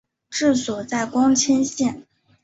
治所在光迁县。